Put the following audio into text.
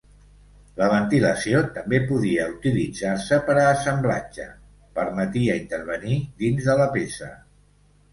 La ventilació també podia utilitzar-se per a assemblatge: permetia intervenir dins de la peça.